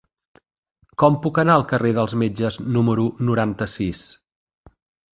Com puc anar al carrer dels Metges número noranta-sis?